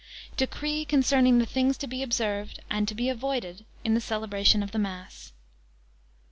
DECREE CONCERNING THE THINGS TO BE OBSERVED, AND TO BE AVOIDED, IN THE CELEBRATION OF MASS.